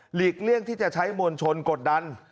เลี่ยงที่จะใช้มวลชนกดดัน